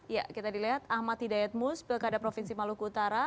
ya kita dilihat ahmad hidayat mubarak